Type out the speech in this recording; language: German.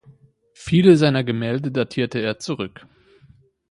Viele seiner Gemälde datierte er zurück.